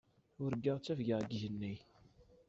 Urgaɣ ttafgeɣ deg yigenni.